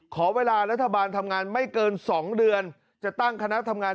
ขอเวลารัฐบาลทำงานไม่เกิน๒เดือนจะตั้งคณะทำงาน